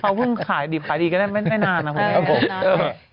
เขาเพิ่งขายดีขายดีก็ได้ไม่นานอ่ะผมครับผม